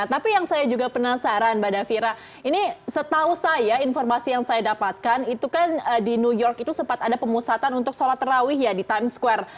tapi yang saya juga penasaran mbak davira ini setahu saya informasi yang saya dapatkan itu kan di new york itu sempat ada pemusatan untuk sholat terawih ya di times square